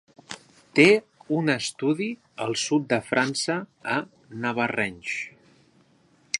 Té un estudi al sud de França a Navarrenx.